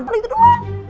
hanya gitu doang